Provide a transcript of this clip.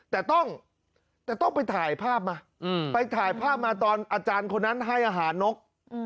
แต่ต้องแต่ต้องไปถ่ายภาพมาไปถ่ายภาพมาตอนอาจารย์คนนั้นให้อาหารนก